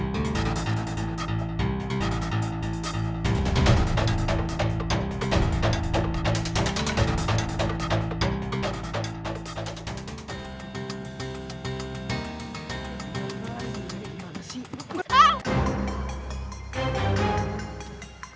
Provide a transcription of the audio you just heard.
jangan prohibis hetulah